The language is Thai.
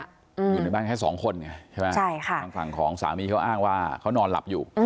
อยู่ในบ้านแค่สองคนไงใช่ไหมใช่ค่ะทางฝั่งของสามีเขาอ้างว่าเขานอนหลับอยู่